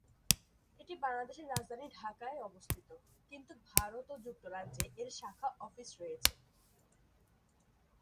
এটি বাংলাদেশের রাজধানী ঢাকায় অবস্থিত, কিন্তু ভারত ও যুক্তরাজ্যে এর শাখা অফিস রয়েছে।